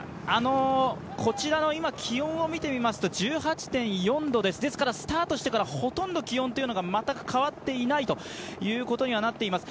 こちらの気温を見てみますと１８．４度ですスタートしてからほとんど気温が全く変わっていないということになります。